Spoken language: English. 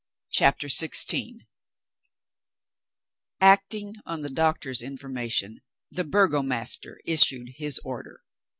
CHAPTER XVI Acting on the doctor's information, the burgomaster issued his order.